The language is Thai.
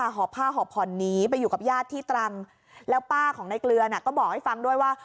หอบผ้าหอบผ่อนหนีไปอยู่กับญาติที่ตรังแล้วป้าของในเกลือน่ะก็บอกให้ฟังด้วยว่า